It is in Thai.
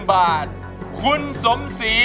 มาฟังอินโทรเพลงที่๑๐